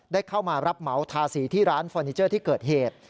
ได้เข้ามารับเหมาทาสีที่ร้านฟอร์นิเจอร์ที่เกิดเหตุ